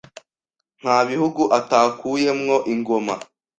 Nta bihugu atakuye mwo ingoma